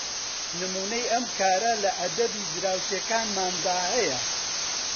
نمونەی ئەم کارە لە ئەدەبی دراوسێکانماندا هەیە